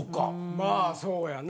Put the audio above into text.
まあそうやな。